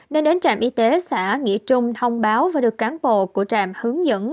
nên đến trạm y tế xã nghĩa trung thông báo và được cán bộ của trạm hướng dẫn